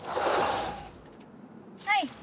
はい！